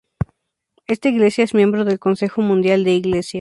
Esta iglesia es miembro del Consejo Mundial de Iglesias.